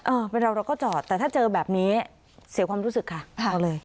เออเป็นเราก็จอดแต่ถ้าเจอแบบนี้เสียความรู้สึกค่ะครับ